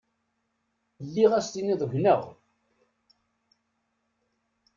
Lliɣ ad s-tiniḍ gneɣ.